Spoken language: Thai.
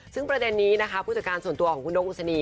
ซึ่งประเด็นนี้นะคะผู้จัดการส่วนตัวของคุณนกอุศนี